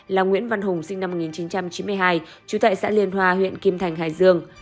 là nguyễn văn hùng sinh năm một nghìn chín trăm chín mươi hai trú tại xã liên hoa huyện kim thành hải dương